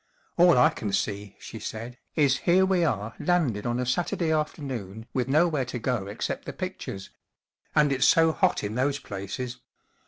4f All I can see/' she said, is here we are landed on a Saturday afternoon with nowhere to go except the pictures. And it's so hot in those places.